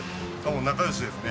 仲良しですね。